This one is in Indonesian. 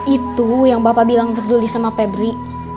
itu yang bapak bilang berdiri sama febri